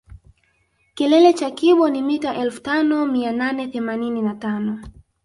Kilele cha kibo ni mita elfu tano mia nane themanini na tano